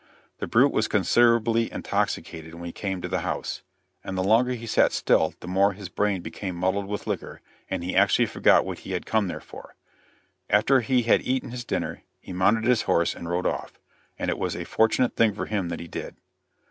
The brute was considerably intoxicated when he came to the house, and the longer he sat still the more his brain became muddled with liquor, and he actually forgot what he had come there for. After he had eaten his dinner, he mounted his horse and rode off, and it was a fortunate thing for him that he did.